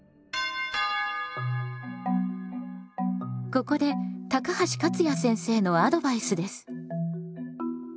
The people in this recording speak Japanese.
ここで高橋勝也先生のアドバイスです。